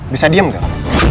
bisa diam nggak